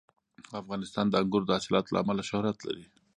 افغانستان د انګورو د حاصلاتو له امله شهرت لري.